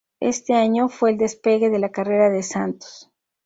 Ese año, fue el despegue de la carrera de Santos.